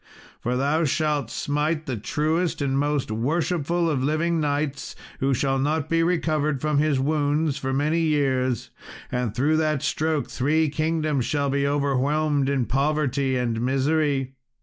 For thou shalt smite the truest and most worshipful of living knights, who shall not be recovered from his wounds for many years, and through that stroke three kingdoms shall be overwhelmed in poverty and misery."